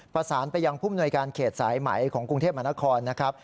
ประสานไปยังผู้มนวยการเขตสายไหมของกรุงเทพมหานครนะครับ